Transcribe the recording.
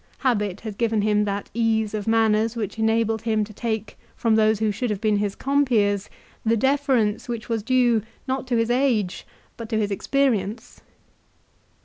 Habit had given him that ease of manners which enabled him to take from those who should have been his compeers the deference which was due not to 150 LIFE OF CICERO. his age but to his experience.